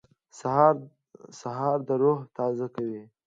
سهار د روح تازه کوي.